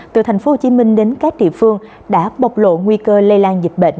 từ tp hcm đến các địa phương đã bộc lộ nguy cơ lây lan dịch bệnh